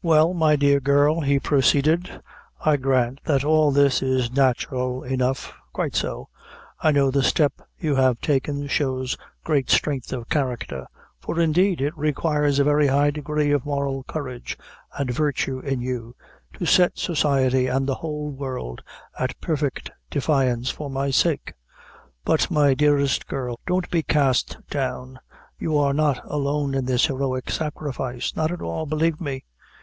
"Well, my dear girl," he proceeded, "I grant that all this is natural enough quite so I know the step you have taken shows great strength of character; for indeed it requires a very high degree of moral courage and virtue in you, to set society and the whole world at perfect defiance, for my sake; but, my dearest girl, don't be cast down you are not alone in this heroic sacrifice; not at all, believe me.